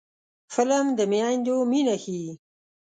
فلم د میندو مینه ښيي